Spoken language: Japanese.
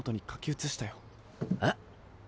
えっ？